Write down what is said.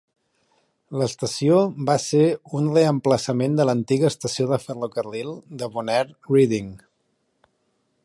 L'estació va ser un reemplaçament de l'antiga estació de ferrocarril de Bonair Reading.